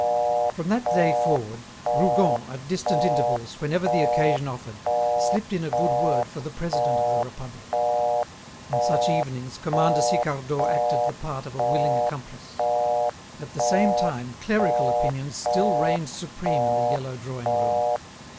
From that day forward, Rougon, at distant intervals, whenever the occasion offered, slipped in a good word for the President of the Republic. On such evenings, Commander Sicardot acted the part of a willing accomplice. At the same time, Clerical opinions still reigned supreme in the yellow drawing room.